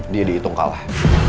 dia dihitung kalah